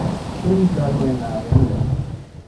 Ubicado en la Av.